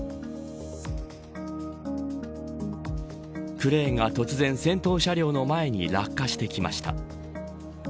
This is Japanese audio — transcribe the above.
クレーンが突然、先頭車両の前に落下してきました。